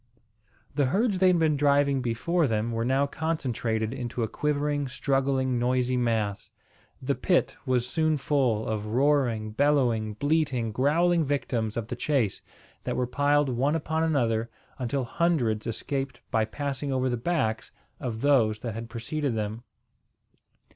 The herds they had been driving before them were now concentrated into a quivering, struggling, noisy mass. The pit was soon full of roaring, bellowing, bleating, growling victims of the chase, that were piled one upon another, until hundreds escaped by passing over the backs of those that had preceded them.